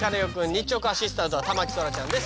日直アシスタントは田牧そらちゃんです。